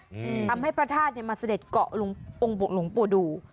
อืมทำให้พระธาตุเนี้ยมาเสด็จเกาะลงองค์หลวงปู่ดู